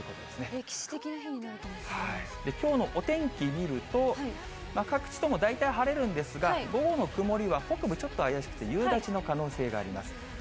歴史的な日になるかもしれなきょうのお天気見ると、各地とも大体晴れるんですが、午後の曇りは北部ちょっと怪しくて、夕立の可能性があります。